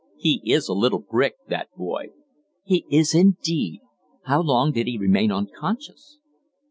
He is a little brick, that boy." "He is, indeed. How long did he remain unconscious?"